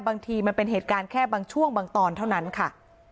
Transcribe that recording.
บางทีมันเป็นเหตุการณ์แค่บางช่วงบางตอนเท่านั้นค่ะ